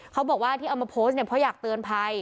เขาบอกว่าที่เอามาโพสต์เนี่ยเพราะอยากเตือนภัย